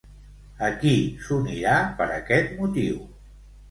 A qui s'unirà per aquest motiu?